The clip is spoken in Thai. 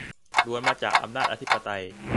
ล้วนมาจากอำนาจอธิปไตย